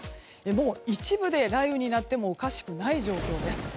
もう一部で雷雨になってもおかしくない状況です。